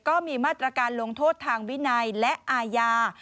ก็มีมาตรการลงโทษทางวินัยและอาญา